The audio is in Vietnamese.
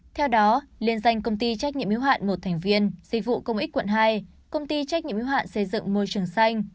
theo đó liên danh công ty trách nhiệm yếu hạn một thành viên dịch vụ công ích quận hai công ty trách nhiệm yếu hạn xây dựng môi trường xanh